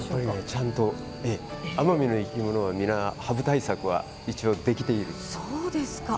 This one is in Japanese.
ちゃんと奄美の生き物はハブ対策は一応できています。